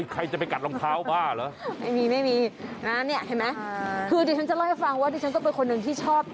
คือเดี๋ยวฉันจะเล่าให้ฟังว่าเดี๋ยวฉันก็เป็นคนหนึ่งที่ชอบ